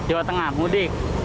jawa tengah mudik